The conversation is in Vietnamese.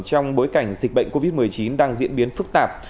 trong bối cảnh dịch bệnh covid một mươi chín đang diễn biến phức tạp